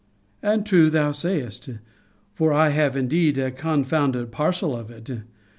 And true thou sayest: for I have indeed a confounded parcel of it.